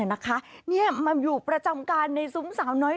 นะคะเนี่ยมาอยู่ประจำการในสูงสาวน้อย